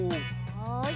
はい。